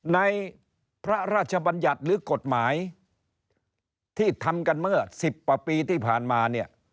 ในพระราชบัญญัติหรือกฎหมายที่ทำกันเมื่อ๑๐กว่าปีที่ผ่านมาเนี่ย